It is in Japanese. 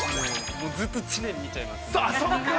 ずっと知念を見ちゃいますね。